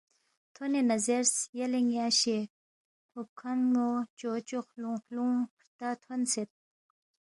تھونے نہ زیرس، یلے ن٘ی اشے ہُوکھنمو چوچو خلُونگ خلُونگ ہرتا تھونسید